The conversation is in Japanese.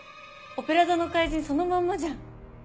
『オペラ座の怪人』そのまんまじゃん。